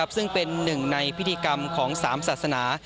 ซึ่งเป็น๑ในพิธีกรรมของ๓ศาสตรา